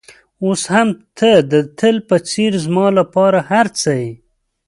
اوس هم ته د تل په څېر زما لپاره هر څه یې.